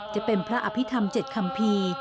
จะเป็นพระอภิษฐรรมเจ็ดคำพี